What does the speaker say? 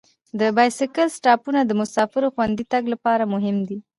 د بایسکل سټاپونه د مسافرو خوندي تګ لپاره مهم دي.